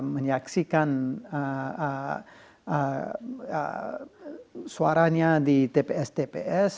menyaksikan suaranya di tps tps